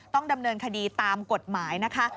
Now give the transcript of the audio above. ต้องดำเนินคดีตามกฎหมายนะคะ